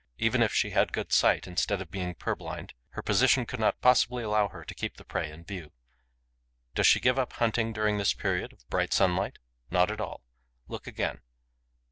Even if she had good sight, instead of being purblind, her position could not possibly allow her to keep the prey in view. Does she give up hunting during this period, of bright sunlight? Not at all. Look again.